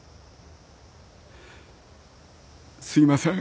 すいません。